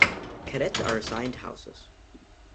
Cadets are assigned to houses.